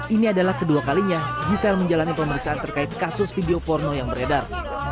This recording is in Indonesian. ini adalah kedua kalinya gisela menjalani pemeriksaan terkait kasus video porno yang beredar